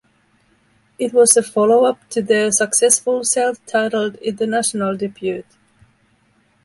It was a follow-up to their successful self-titled international debut.